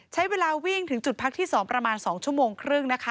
ใช้เวลาวิ่งถึงจุดพักที่๒ประมาณ๒ชั่วโมงครึ่งนะคะ